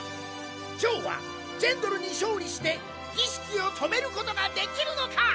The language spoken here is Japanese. ジョーはジェンドルに勝利して儀式を止めることができるのか！？